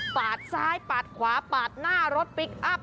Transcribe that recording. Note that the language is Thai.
ปาดซ้ายปาดขวาปาดหน้ารถพลิกอัพ